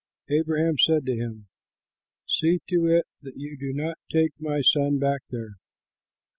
Abraham said to him, "See to it that you do not take my son back there.